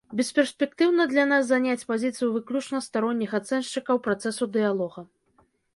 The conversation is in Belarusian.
Бесперспектыўна для нас заняць пазіцыю выключна старонніх ацэншчыкаў працэсу дыялога.